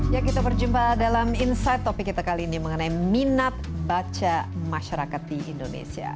ya kita berjumpa dalam insight topik kita kali ini mengenai minat baca masyarakat di indonesia